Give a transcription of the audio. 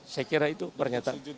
saya kira itu pernyataan